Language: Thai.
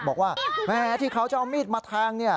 บอกว่าแม่ที่เขาจะเอามีดมาแทง